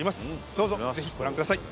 どうぞぜひご覧ください